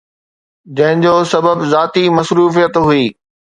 جنهن جو سبب ذاتي مصروفيت هئي.